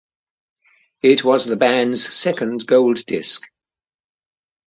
It was the band's second gold disc.